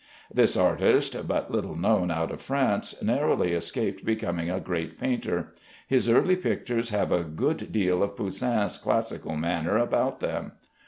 This artist (but little known out of France) narrowly escaped becoming a great painter. His early pictures have a good deal of Poussin's classical manner about them.